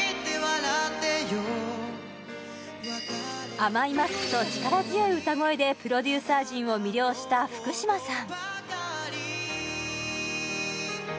甘いマスクと力強い歌声でプロデューサー陣を魅了した福嶌さん